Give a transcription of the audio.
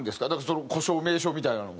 呼称名称みたいなのは。